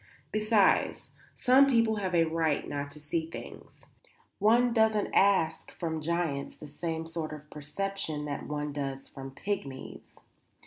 Besides, some people have a right not to see things. One doesn't ask from giants the same sort of perception that one does from pygmies."